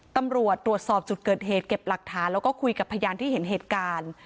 ตำรวจตรวจสอบจุดเกิดเหตุเก็บหลักฐานแล้วก็คุยกับพยานที่เห็นเหตุการณ์